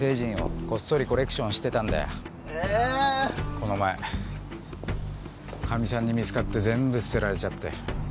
この前カミさんに見つかって全部捨てられちゃって。